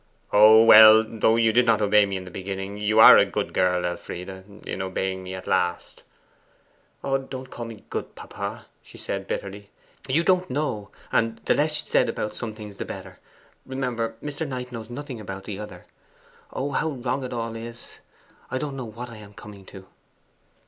'Oh, well; though you did not obey me in the beginning, you are a good girl, Elfride, in obeying me at last.' 'Don't call me "good," papa,' she said bitterly; 'you don't know and the less said about some things the better. Remember, Mr. Knight knows nothing about the other. Oh, how wrong it all is! I don't know what I am coming to.